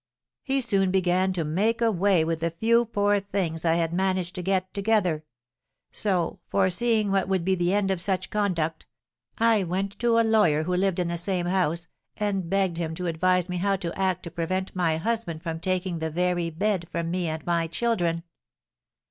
He soon began to make away with the few poor things I had managed to get together; so, foreseeing what would be the end of such conduct, I went to a lawyer who lived in the same house, and begged him to advise me how to act to prevent my husband from taking the very bed from me and my children."